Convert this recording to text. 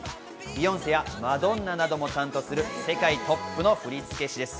ビヨンセやマドンナなども担当する、世界トップの振付師です。